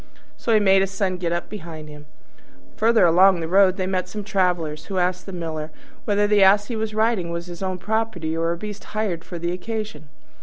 So he made his Son get up behind him. Further along the road they met some travellers, who asked the Miller whether the Ass he was riding was his own property, or a beast hired for the occasion.